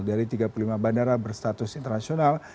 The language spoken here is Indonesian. dari tiga puluh lima bandara berstatus internasional